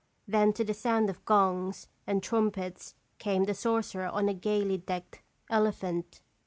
Then, to the sound of gongs and trumpets, came the sorcerer on a gayly decked elephant.